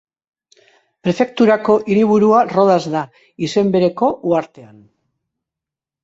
Prefekturako hiriburua Rodas da, izen bereko uhartean.